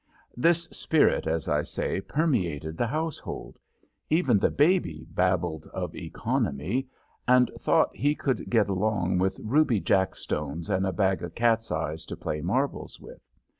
This spirit, as I say, permeated the household even the baby babbled of economy, and thought he could get along with ruby jackstones and a bag of cats' eyes to play marbles with.